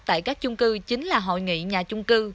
tại các trung cư chính là hội nghị nhà trung cư